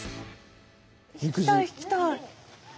引きたい引きたい。